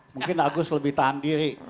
mungkin agus lebih tahan diri